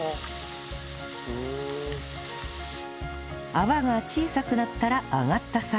泡が小さくなったら揚がったサイン